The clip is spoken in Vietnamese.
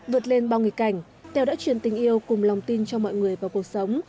vượt lên bao nghịch cảnh tèo đã truyền tình yêu cùng lòng tin cho mọi người vào cuộc sống